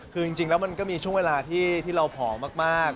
คือจริงแล้วมันก็มีช่วงเวลาที่เราผอมมาก